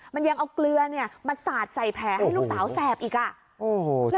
มันยังเอาเกลือเนี่ยมาสาดใส่แผลให้ลูกสาวแสบอีกอ่ะโอ้โห